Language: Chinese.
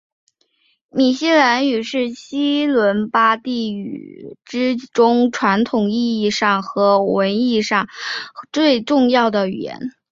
米兰语是西伦巴第语之中传统意义上和文学意义上最重要的语言。